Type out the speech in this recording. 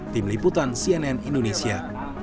tim liputan cnn indonesia